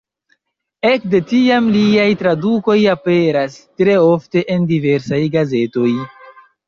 Ekde tiam liaj tradukoj aperas tre ofte en diversaj gazetoj.